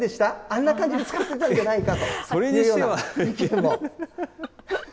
あんな感じで使ってたんじゃないそれにしては。